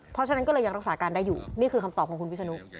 เพราะฉะนั้นก็เลยยังรักษาการได้อยู่นี่คือคำตอบของคุณวิศนุ